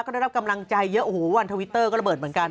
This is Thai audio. ก็ได้รับกำลังใจเยอะโอ้โหวันทวิตเตอร์ก็ระเบิดเหมือนกัน